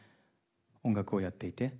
音楽をやっていて。